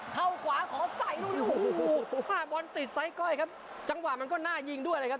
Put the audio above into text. เข้าขวาขอไก่รุ่นโอ้โหบอลติดไซส์ก้อยครับจังหวะมันก็น่ายิงด้วยเลยครับ